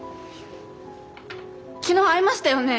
昨日会いましたよね？